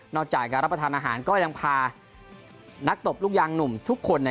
จากการรับประทานอาหารก็ยังพานักตบลูกยางหนุ่มทุกคน